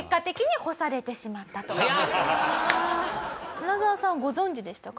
花澤さんはご存じでしたか？